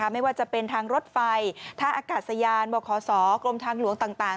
ไม่ว่าจะเป็นทางรถไฟท่าอากาศยานบขศกรมทางหลวงต่าง